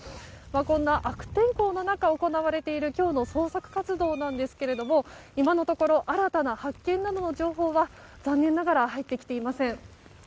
こんな悪天候の中、行われている今日の捜索活動なんですが今のところ新たな発見などの情報は残念ながら入ってきていません。